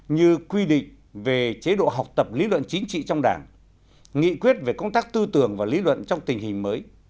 như quy định về chế độ học tập lý luận chính trị trong đảng nghị quyết về công tác tư tưởng và lý luận trong tình hình mới